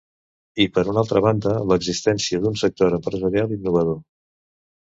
I, per una altra banda, l’existència d’un sector empresarial innovador.